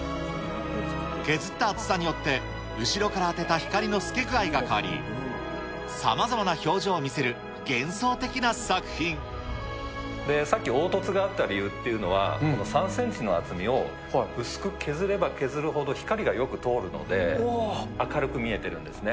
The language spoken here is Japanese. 削った厚さによって、後ろから当てた光の透け具合が変わり、さまざまな表情を見せる幻さっき、凹凸があった理由というのは、３センチの厚みを、薄く削れば削るほど光がよく通るので、明るく見えてるんですね。